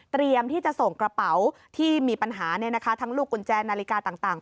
เตรียมที่จะส่งกระเป๋าที่มีปัญหาในนะคะทั้งลูกกุญแจนาฬิกาต่าง